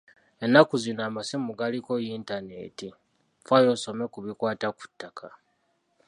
Ennaku zino amasimu galiko yintaneeti, Faayo osome ku bikwata ku ttaka.